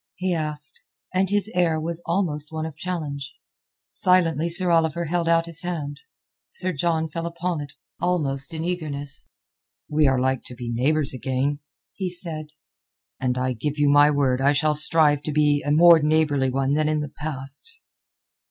he asked, and his air was almost one of challenge. Silently Sir Oliver held out his hand. Sir John fell upon it almost in eagerness. "We are like to be neighbours again," he said, "and I give you my word I shall strive to be a more neighbourly one than in the past."